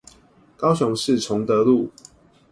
高雄市崇德路